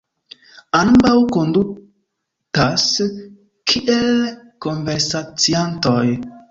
Ambaŭ kondutas kiel konversaciantoj.